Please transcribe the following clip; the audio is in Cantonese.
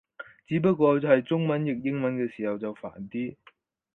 只不過係中文譯英文嘅時候就煩啲